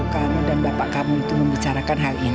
kamu dan bapak kamu itu membicarakan hal ini